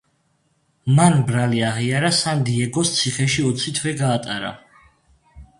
მან ბრალი აღიარა სან-დიეგოს ციხეში ოცი თვე გაატარა.